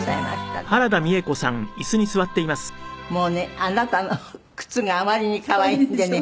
もうねあなたの靴があまりに可愛いんでね